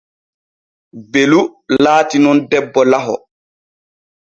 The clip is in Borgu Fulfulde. Belu laati nun debbo laho.